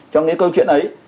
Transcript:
trong cái câu chuyện ấy